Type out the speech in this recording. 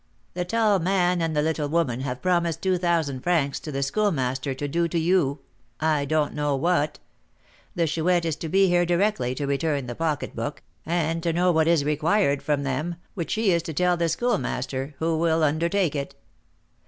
"The tall man and the little woman have promised two thousand francs to the Schoolmaster to do to you I don't know what. The Chouette is to be here directly to return the pocketbook, and to know what is required from them, which she is to tell the Schoolmaster, who will undertake it."